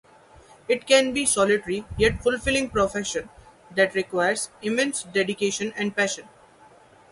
It can be a solitary yet fulfilling profession that requires immense dedication and passion.